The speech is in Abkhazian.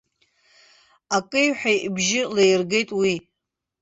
Акеҩҳәа ибжьы лаиргеит уи.